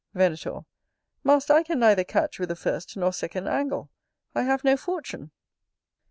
Venator. Master, I can neither catch with the first nor second angle: I have no fortune.